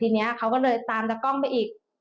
ทีนี้เขาก็เลยตามตะกล้องไปอีก